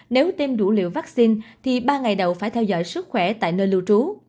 nếu tiêm đủ liều vaccine thì ba ngày đầu phải theo dõi sức khỏe tại nơi lưu trú